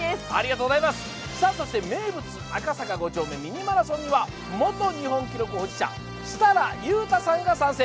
そして名物、赤坂５丁目ミニマラソンには元日本記録保持者、設楽さんが参戦。